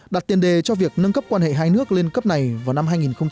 đặt tiền đề cho việc nâng cấp quan hệ hai nước lên cấp này vào năm hai nghìn hai mươi